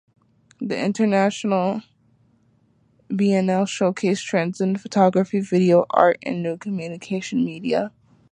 The International Biennale showcased trends in photography, VideoArt and new communication media.